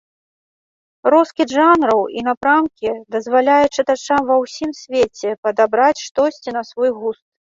Роскід жанраў і напрамкі дазваляе чытачам ва ўсім свеце падабраць штосьці на свой густ.